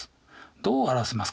どう表せますか？